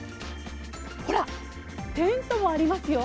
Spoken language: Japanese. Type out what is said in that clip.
ほら、テントもありますよ。